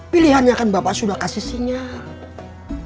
pilihannya kan bapak sudah kasih sinyal